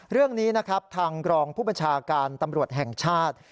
เรื่องนี้นะครับทางกรองผู้บัญชาการตำรวจแห่งชาติ